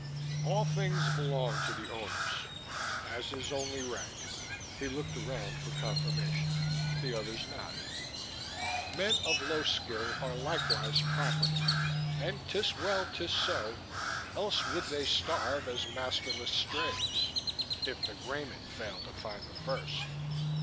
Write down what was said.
"All things belong to the Owners ... as is only right." He looked around for confirmation. The others nodded. "Men of low skill are likewise property; and 'tis well 'tis so; else would they starve as masterless strays ... if the Greymen failed to find them first."